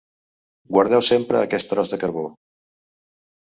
«Guardeu sempre aquest tros de carbó.